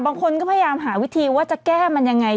บางคนก็พยายามหาวิธีว่าจะแก้มันยังไง